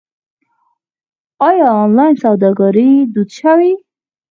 آیا آنلاین سوداګري دود شوې؟